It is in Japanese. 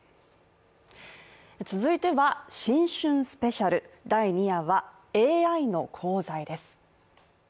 続いては、新春スペシャル第２夜は、ＡＩの功罪です。